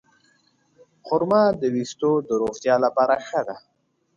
خرما د ویښتو د روغتیا لپاره ښه ده.